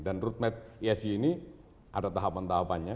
dan root map esg ini ada tahapan tahapannya